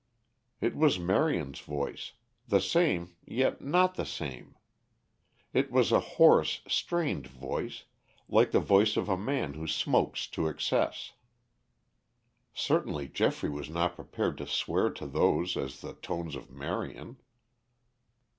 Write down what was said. It was Marion's voice; the same, yet not the same. It was a hoarse, strained voice, like the voice of a man who smokes to excess. Certainly Geoffrey was not prepared to swear to those as the tones of Marion.